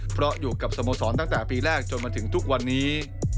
เพราะอยู่กับสโมสรตั้งแต่ปีแรกจนมาถึงทุกวันนี้